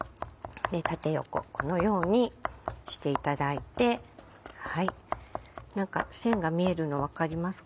縦横このようにしていただいて何か線が見えるの分かりますか？